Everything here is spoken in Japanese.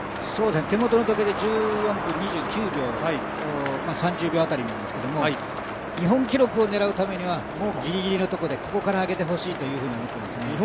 手元の時計で１４分２９秒、３０秒辺りですけれども、日本記録を狙うためにはギリギリのところで、ここから上げてほしいと思いますね。